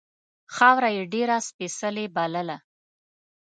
خاوره یې ډېره سپېڅلې بلله.